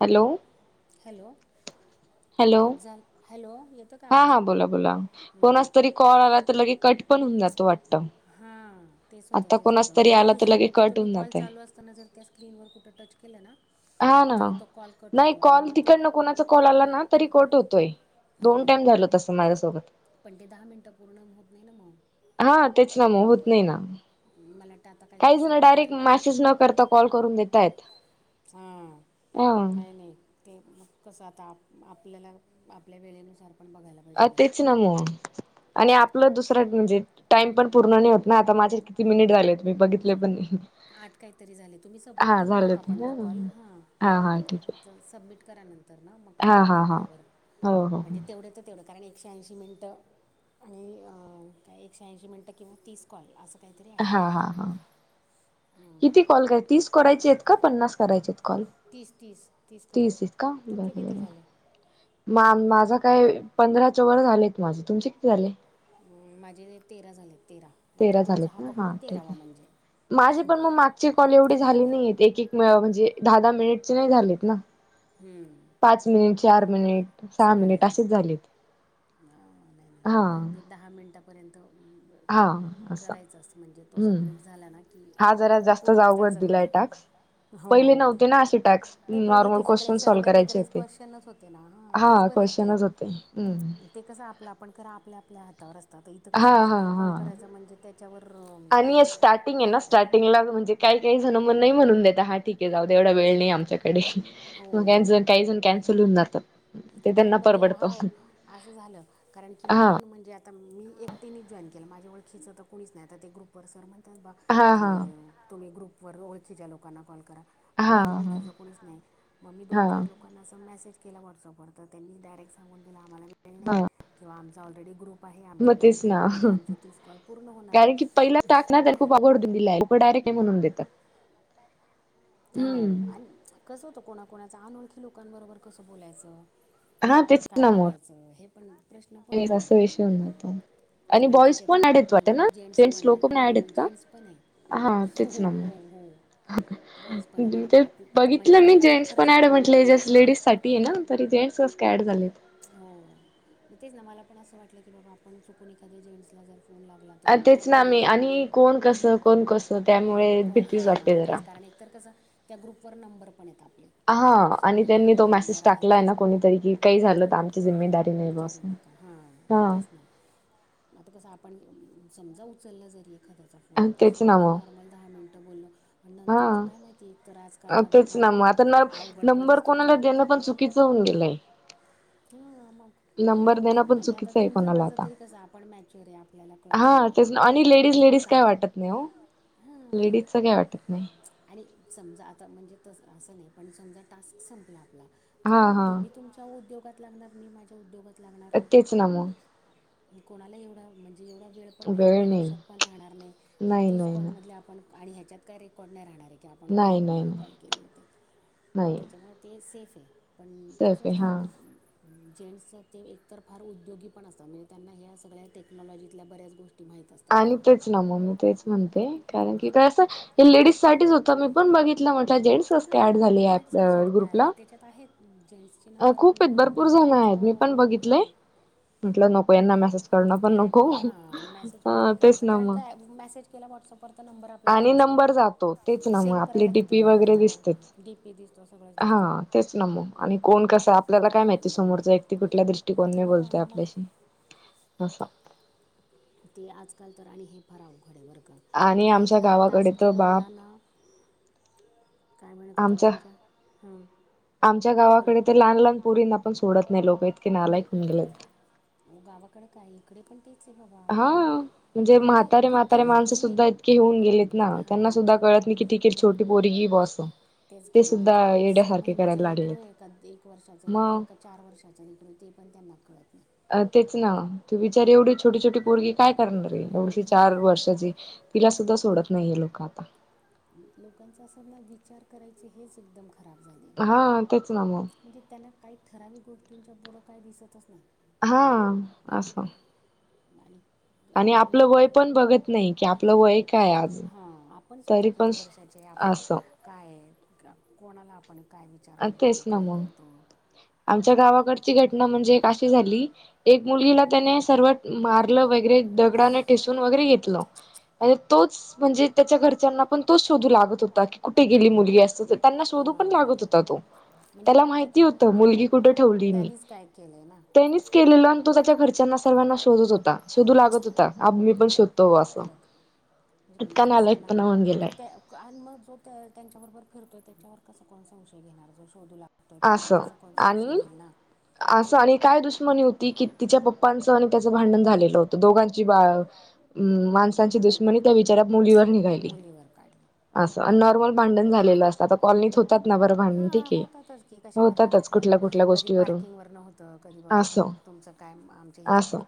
Hello hello hello cut झाला hello येतो का हा आवाज हा बोला बोला कोणा हं. तरी कॉल आला तर लगे कट पणऊ जातो वाटत हां तेच होतं तेच होतं म्हणजे तर दुसरं लगे कुठं कट तुम्ही होऊन कॉल जातय चालू असताना जर त्या स्क्रीनवर कुठं टच केलं ना हा ना तर तो कॉल कट नाही होतो आणि कॉल मग तो तिकडन कोणाचा कॉल आला ना तरी कोट होतोय हो दोन टाइम झाल तसं माझ्यासोबत पण दहा मिनट पूर्ण होत नाही ना मग हा तेच नाम होत नाही ना मला वाटतं आता काही काहीतरी जण साडेआठ डायरेक्ट मेसेज न करता कॉल करून देताय हम नाही नाही ते मग कसं आता आपल्याला आपल्या वेळेनुसार पण बघायला पाहिजे अ तेच ना मग आणि आपलं दुसरं म्हणजे टाइम पण पूर्ण नाही होत ना आता माझे किती मिनिट झाले हो मी बघितले पण नाही आठ काहीतरी झाले तुम्ही सबमिट हा करून झाले टाका ते पण तो कॉल हां हा हा ठीक आहे तर सबमिट करानंतर तर ना मग तो हा हा होतो हा बरोबर हो हो म्हणजे तेवढे तर तेवढ कारण एकशे ऐंशी मिनटं आणि का एकशे ऐंशी मिनटं किंवा तीस कॉल असं काहीतरी आहे हा हा हा किती कॉल कररा तीच करायची का पन्नास करायचे कॉल तीस तीस तीस करायचे आहेत का तुमचे बरोबर किती आहे झाले मा माझा काय पंधरा च वर झालेत माझे तुमचे किती झाले माझे तेरा झाले तेरा आता तेरा तुमचा झालेत हा ना पकडून ठीक तेरावा म्हणजे माझे पण मग मागची कॉल एवढी झाली नाही एक एके म्हणजे दहा दहा मिनिट नाही झालेत ना हम्म. पाच मिनिट चार मिनिट सहा मिनिट अरे असेच झालेत हा नाही दहा मिनट ह बर हा असं करायच अस म्हणजे तो हम्म सबमिट झाला ना कि हा मग जरा जास्तच पूर्ण त्याच अवघड होईल दिलाय टास्क हो पहिले नव्हते ना अ टॅक्स नाही नॉ पहिले ते सगळे सर्वहे वगैरे क्वेश्चनच होते ना हा तेच बरे होते क्वेश्चनच हम्म ते कसं आपलं आपण करा आपल्या आपल्या हातावर असतात इथं हा कसं हा दुसऱ्याला हा कॉल करायचा म्हणजे त्याच्यावर अं, आणि स्टार्टिंग आहे ना स्टार्टिंगला म्हणजे काही काही जण मण नाही म्हणून दता हा ठीक आहे जाऊ देवढ वेळ नाही आमच्याक हो मग हो काही जण कॅन्सल होऊन जातात ते नाही त्यांना म्हणजे परबडत हा असं कारण की मी पण म्हणजे मी एकटीने जॉईन केलं माझ्याओळखीचं तर कोणीच नाही आता ते ग्रुपवर सर म्ह तर बघ हा की हा तुम्ही ग्रुपवर ओळखीच्या लोकांना कॉल करा ण हा माझ्या हा ओळखीच कोणीच नाही मग मी दोन हा चार लोकांना मेसेज केला व्हॉटसअपवर तर त्यांनी डायरेक्ट सांून दि आम्हाला मिळल नाही हा किंवा आमचा ऑलरेडी ग्रुप आहे आमच्या मग ग्रुप तेच ना ग्रुपमध्ये आमचे तीस कॉल पूर्ण होणार कारण की पहिला टाक आहे ना तर खूप अघडतून दिला डायरेक्ट म्हणून देतात हो हम्म आणि कसं होतं कोणा कोणाच अनोळखी लोकांबरोबर कसं बोलायचं हा तेच काय नामर बोलायचं हे पण प्रश्न नाही पडतो ना त विष नता आणि त्याच्यात या ग्रुप म म्हणजे जेंट्स पण लोक आहे ऍड हा आहेत का जेंट्स पण आहे हा हो तेच ना हो हो हो बॉईज पण आहेत मग आप आपली आता म्हणजे बघितलं मी मला तर जेंट्स खरंच पणड प्रश्न म्हटलं पडतो जस की लेडीज साठी ना तरी जेंट्स ऐड झाली हो मग तेच ना मला पण असं वाटलं की बाबा आपण चुकून एखाद्या जेंट्सला जर फोन लागला अ तर काय तेच ना मी बोलणार आणि कोण कस कोण कसं त्यामुळे हा भीतीच वाटते जरा तेच कारण एकतर कसं त्या ग्रुपवरर नंबर पण येत आपले हा व्हॉट्सअप आणि ग्रुपवर त्यांनी तो आपले मेसेज नंबर टाकलाय ना आहेतच कोणीतरी कि काही झालं तर आमची की जिम्मेदारी नाही विचारू बसून नका हां मग तेच ना आता कसं आपण समजा उचलला जरी एखाद्याचा फोन होतो तेच ना फोनवर मग नॉर्मल दहा मिनटं बोललो पण नंतरचं काय माहिती एक तर आजकाल हा बाबा तेच फार ना मग आता अम, न अवघड नंबर परिस्थिती कोणाला देणं पण चुकीचं म्हुलंय ह मग देणं पण आणि आता चुकीचं आहे तुमच कोणाला माझ आता तरी कस आपण मॅच्यर आहे आपल्याला कळतो बघ हा आणि लेडीज लेडीज काय वाटत नाही हो लेडीज काय वाटत नाही आणि समजा आता म्हणजे त असं नाही पण समजा टास्क संपला आपला तर हा तुम्ही हा तुमच्या उद्योगात लागणार मी माझ्या उद्योगात. लागणार अतच ना म कोणाला एवढं म्हणजे म्हे एवढा वेळ पण नाही एवढं लक्षात पण राहणार नाही की नाही नाही तीच नाही कॉलमधले आपण. आणि ह्याच्यात काय रेकॉर्ड नाही राहणार आहे. की आपण नाही नाही नाही कुणाकुणाला कॉल केले होते मग नाही त्याच्यामुळे ते सेफ. आहे पण सेफ आहे हा तसंचत. जेंट्स ते एकतर फार उद्योगी पण असतात म्हणजे त्यांना ह्या सगळ्या टेक्नॉलॉजीतल्या बऱ्याच गोष्टी माहीत आणि असतात तेच ना मग मी तेच म्हणते कारण की असं. हे लेडीज साठीच होत मी पण बघितलं म्हटलं जेंट्स कस का ऍड हां झाले जेंट्स कसे काय आले ग्रुपला त्याच्यात आहेत जेंट्सचे नंबर खूप आहेत नाव नंबर भरपूर पण जण आहेत हो मी पण हो बघितलंय हो. म्हटलं नको यांना मेसेज करणं पण नाही नको बाबा हां मॅसेज अ तेच ना मग व्हटसअपवर आणि नंरलाेला ना. नंबर जातो तेच ना सेव्ह आपली करायला किती टडीपी वेळ वगैरे लागतो दिसतेच डी पी दिसतो सगळंच हा दिसतं तेच नम आणि कोण कस आपल्याला काय माहिती समोरच एकती कुठल्या दृष्टिकोनने बोलत हां मग आपल्याशी आसा. ते आजकाल तर आणि हे फराव म्हणजे आणि खर आमच्या तर हा गावाकडे टास्क तर जेव्हा बा आला ना. काय म्हत होता आमच्या तुमच्या आमच्या बोला बोला गावाकडे तर लहान लहान पोरीं पण सोडत नाही लोक इतके नालायकन गेलेत. हो गावाकडे काय इकडे पण ते हा म्हणजे म्हातारे म्हातारे कुठंही जा माणसं तुम्ही सुद्धा इतके होऊन गेलेत ना त्यांना सुद्धा हां कळत. किती क मी छटी पोरीी बस. तेच घे म्हणजे ती सहा महिन्याच लेकरो लागलेत आहे का एक वर्षाचा लेकरो मग आहे का चार वर्षाचा लेकरो आहे ते. पण त्यांना कळत नाही. अ तेच ना तू विचारारी एवढी छोटी छोटी परगी काय करणार रे एवढशी चार वर्षाची तिला सुद्धा सोडत नाहीये लोक आता लोकांचा असं ना विचार करायचे हेच एकदम ख. खराब झाली आहे हा तेच ना मग म्हणजे त्यांना काही ठराविक गोष्टींच्या पुढं काही दिसतच नाही. हा असं. आणि आ- आपलं म्हणजे वय पण बघत नाही की आपलं वय काय आज हां आपण स्वतः तरी पण किती वर्षाचे आपण असं काय आहे कोणाला. आपण काय विचार अ तेच करतो ना काय मग करतो आमच्या गावाकडची घटना म्हणजे काशी झाली एक मुलगीला. त्याने सर्वात मारलं वगैरे दगडाने ठेसून वगैरे घेतलं. आणि तोच म्हणजे त्याच्या घरच्यांना पण तोच शोधू लागतं होता की कुठे गेली मुलगी असत, तर त्यांना शोध पण लागत होता हां तो म्हणजे त्याला मग माहिती त्याच्या होत मुलगी कुठ ठेवली मी. त्यांनीच काय केलं आहे ना त्यानीच केलेल आणि तो त्याच्या घरी. घरच्यांना सर्वांना शोधत होता शोधू लागत होता मी पण शोधतो असं. बघ इतका म्हणजे कसं ना नालायकपणा होऊन गेलाय त्या आणि मगं जो त्यांच्याबरोबर फिरतोय. त्याच्यावर कसा कोण संशय घेणार जो शोधू ला असं आणि असं आणि काय दुश्मनी होती की तिच्या पप्पा पंच त्याचं भांडण झालेलं होत दोघांची माणसांची दुष्मनी त्या बिचार्‍या मुलीवर निघाली. मुलीवर काढ. असं नॉर्मल भांडण झालेलं असतं आता कॉलनीत होतात ना बरं भांडण ठीके. कशावरन कशावरन कधी पार्किंगवरनं होत कधी बा असं तुमचं काय आम असं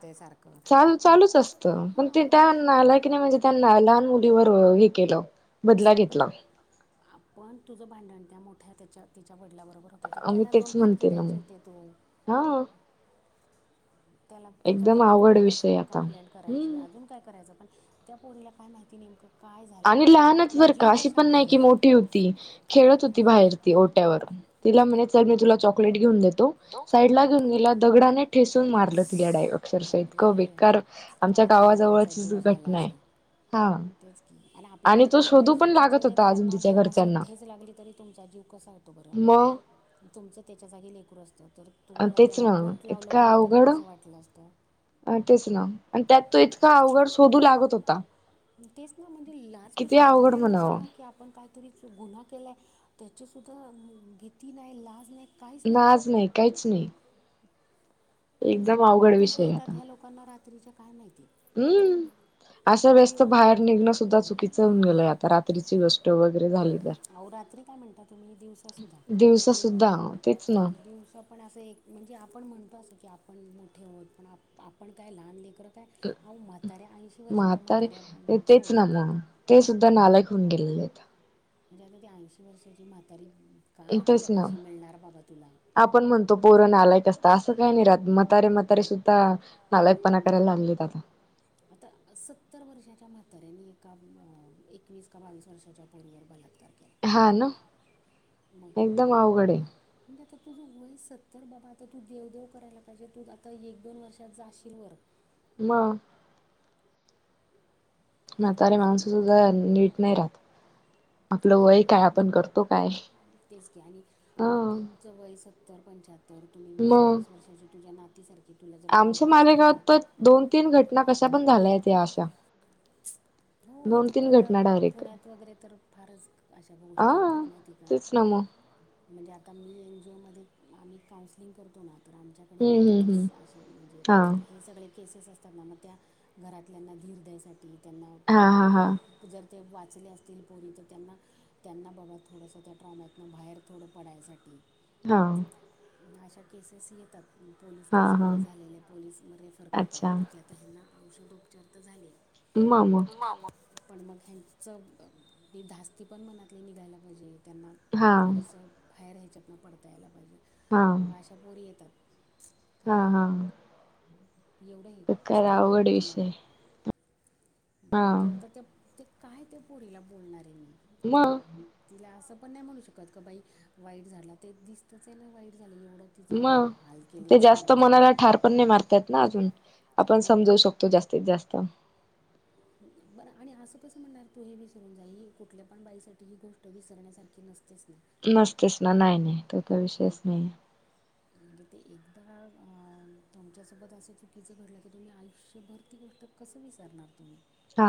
चालू चालूच असत पण हां ते मग त्यांना आलं की नाही म्हणजे त्यांना आलं. लहान मुलीवर हे केलं. बदला पण घेतला आपण तुझ भांडण त्या मोठ्या त्याच्या तिच्या बरोबर होत मी त्याला तेच दोन फटके म्हणते ना मग द्यायचे होते तू. हा त्याला त्याच्या एकदम बरोबर आवघड विषय भांडायचं आता कंप्लेंट करायची हम्म. अजून काय करायचं पण. त्या पोरीला कायं माहिती नेमकं. काय झालं आणि आपल्याला लहानच आपला बर जीव का अशी पण कशामुळे नाही की गेला मोठी होती खेळत होती बाहेर ती ओट्यावरून. तिला म्हणे च मी तुला चॉकलेट घेऊन देतो साईड ला घेऊन गेला दगडाने ठेसून मारलं. येडा आहे अक्षरशः इतकं बापरे बेकार आमच्या काय त्या लेकराचा गावाजवळचीच जीव झाला घटना आहे. असेल हा तेच की आणि आपल्याला तो आपल्या शोधू पण स्वतःच्या लागत होता अजून लेकरांना तिच्या जर असं घरच्यांना ठेच लागली तरी तुमचा जीव कसा होतो बरं. मग तुमचं त्याच्या जागी लेकरू असत तर तुम्हाला तेच त्याला ना बोट लावलं कोणीतरी कसं वाटलं असत. अ तेच ना आणि त्यात तो इतका अवघड शोधू लागत होता. तेच म्हणजे लाज किती कशी वाटत अवघड या म्हणावं लोकांला की आपण - गुन्हा केलाय त्याची सुधा भिती नाही लाज नाही. लाज नाही काहीच नाही. म्हणजे एकदम झोपा अवघड कशा विषय येतात आता ह्या लोकांना रात्रीच्या काय माहीत. हम्म असं व्यस्त बाहेर निघणं सुद्धा चुकीचं होऊन गेलयं आता. ची गोष्ट वगैरे झाली. तर. अहो रात्री काय म्हणता तुम्ही दिवसा सुद्धा. दिवसा सुद्धा तेच ना [inaudible] दिवसा पण असं एक म्हणजे आपण म्हणतो असं की, आपण मोठे आहोत पण आप आपण काय लहान लेकरं. काय अहो म्हाताऱ्या ऐंशी वर्षाच्या म्हाताऱ्या म्हातारे अं, तेच ना सोडत नाहीत मग ते सुद्धा नालायक होऊन गेले. [inaudible] म्हणजे आता ती ऐंशी वर्षाची म्हातारी. काय तेच ना तिच्यापाशी मिळणार बाबा तुला आपण म्हणतो पोर नालायक असतात असं काय नाही राहत म्हातारे म्हातारे. सुद्धा नालायकपणा करायला लागलीत आता. आता सत्तर वर्षाच्या म्हाताऱ्यानी. एका एकवीस का बावीस वर्षाच्या पोरीवर बलात्कार. केला हा ना मग एकदमं अवघड आहे. म्हणजे आता तुझं वय सत्तर तर बाबा आता तू देवदेव करायला पाहिजे तू आता एक दोन वर्षात जाशील वर. मगं म्हातारी माणसं सुद्धा नीट नाही राहतं. आपलं वय कायं आपण करतो कायं. तेच के आणि तुमचं वय सत्तर पंच्याहत्तर तुम्ही वीस मग एकवीस वर्षाचे तुझ्या नात आमच्या मालेगावात तर दोन तीन घटना कशा पण झाल्यात या अशा हो दोन इथं तीन पुण्यात घटना डायरेक्ट पुण्यात वगैरे तर फारच अशा आ गोष्टी होतात माहिती का तेच ना मग म्हणजे आता मी मध्ये आम्ही काउन्सलिंग करतो ना तर आमच्याकडे हम्म हम्म येतातच हम्म असे म्हणजे हा हे सगळे केसेस असतात ना मग त्या घरातल्याना धीर द्यायसाठी त्यांना त्या हा हा हा पो जर ते वाचले असतील पोरी तर त्यांना त्यांना बाबा थोडंसं त्या ट्रोमातून बाहेर थोडं पडायसाठी हा अशा केसेस येतात पोलीस हा केस हा वगैरे झालेले पोलीस रेफर करतात अच्छा ना की आता हेना औषधोपचार तर झाले मग मग ह्यांचं धास्ती पण मनातली निघायला पाहिजे त्यांना हा थोडंसं बाहेर ह्याच्यातन पडता यायला पाहिजे हा मग अशा पोरी येतात हा काय हा एवढं हे तर कस काय तरी अवघड वाटतं ना विषय हा म्हणजे आता ते ते काय त्या पोरीला बोलणार आहे मी नाही तिला असं पण नाही म्हणू शकत क बाई वाईट झाला ते दिसतंच वाईट झालं एवढं तिचा मग हाल ते केलेत जास्त समोरच्याने मनाला ठार जास्त पण नाही कोणाला ठार मारतायत ना पण नाही अजून मारता येत आपण ना. मग समजवू शकतो जास्तीत जास्त ह बरं आणि असं कसं म्हणणार तू हे विसरून जाई ही कुठल्या पण बाईसाठी ही गोष्ट विसरण्यासारखी नसतेच नाही नसतेच ना नाही नाही तो तर मग विषयच नाही म्हणजे ते एकदा अ तुमच्यासोबत असं चुकीचं घडलं तर तुम्ही आयुष्यभरती गोष्ट कसं विसारणार तुम्ही हा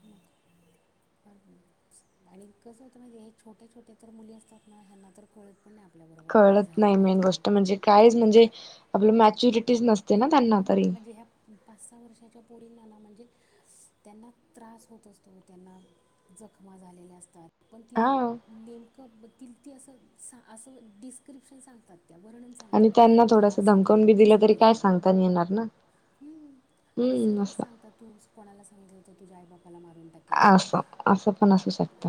[unintelligible] आणि कसं होतं म्हणजे छोट्या छोट्या तर मुली असतात ना ह्यांना तर कळत पण नाही आपल्याबरोबर काय कळत झालं नाही मेन माहिती आहे का गोष्ट म्हणजे कायच म्हणजे आपलं मॅच्युरिटी नस ह म्हणजे ह्या पाच सहा वर्षाच्या पोरीला म्हणजे त्यांना त्रास होत असतो त्यांना जखमा झालेले असतात पण तिला हा नेमकं ततील ती असं असं डिस्क्रिप्शन सांगतात त्या वर्णन सांगतात आणि त्यांना कि थोडस असं धमकवून केलं बी दिलं तसं तरी काय केलं सांगता नाही येणार ना हम्म आणि हम्म सर्रास असं. सांगतात तूच कोणाला सांगितलं होत तुझ्या आई बाप असं असं पण असू शकत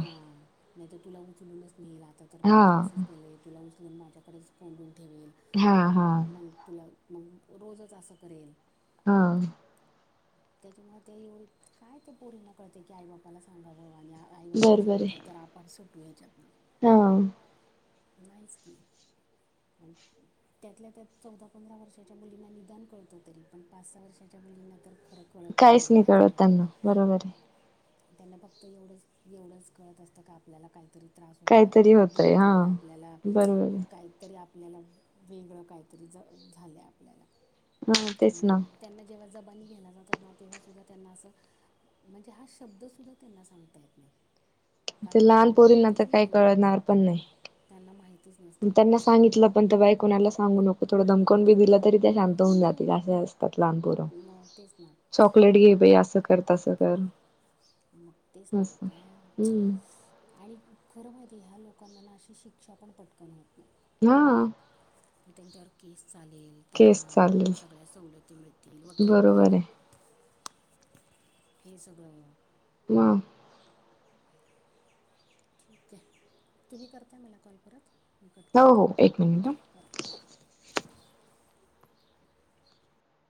मेल आता तर हा फक्त असंच केलंय तुला उचलून माझ्याकडेच कोंडून ठेवेल हा मग हा मग तुला मग रोजच असं करेल हा त्याच्यामुळे ते एवढी काय ते पोरी न कळते की आई बापाला सांगावं आई बापाला बरोबर सांगितलं आहे तर आपण सुटू ह्याच्यातन हा नाहीच की त्यात ल्या त्यात चौदा पंधरा वर्षाच्या मुलींना निदान कळत तरी पण पाच सहा वर्षाच्या [unintelligible] ना तर खर काहीच नाही कळत त्यांना बरोबर आहे त्यांना फक्त एवढंच एवढंच कळत असतं का आपल्याला काही तरी त्रास होते काहीतरी आपल्याला होतय हा दुखतय आपल्याला बरोबर काहीतरी आप वेगळ काहीतरी झाल आपल्याला हा तेच म्हणजे ना त्यांना जेव्हा जबानी घेयायला जातात ना तेव्हासुद्धा त्यांना असं म्हणजे हा श शब्दसुद्धा त्यांना सांगता येत नाही कारण ते लहान त्यांना पोरींना तर माहितीच काही नाही ना कळणार पण मग नाही त्यांना माहिती त्यांना सांगित पण तर बाय कोणाला सांगु नको थोडं धमकवुन बी दिल शांत होऊन जात हम्म, मग असतात लहानपर मग तेच ना चॉकलेट पण घे अस करत अस तर अन ऎंटिलेजेबल की ह्या लोकांना ना अशी शिक्षा पण पटकन होत नाही. हा त्यांच्यावर केस चालेल. त्यांना केस चालेल सगळ्या सवलती मिळतील वकील बरोबर मिळेल. आहे फी सगळं हम ठीक आहे तुम्ही करताय मला कॉल परत मी कट हो हो करते एक करा हां मिनिट.